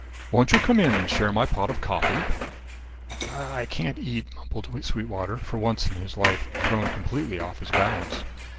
Won't you come in and share my pot of coffee?" "I I can't eat," mumbled Sweetwater, for once in his life thrown completely off his balance.